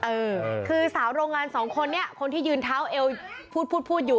เออคือสาวโรงงานสองคนนี้คนที่ยืนเท้าเอวพูดพูดพูดอยู่